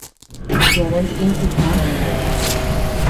Yeabean lii tiká.